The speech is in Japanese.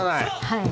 はい。